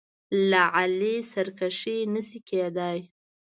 له علي سرکشي نه شي کېدای.